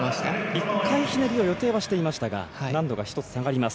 １回ひねりを予定はしていましたが難度が１つ下がります。